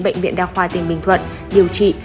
bệnh viện đa khoa tỉnh bình thuận điều trị